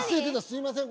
すいません。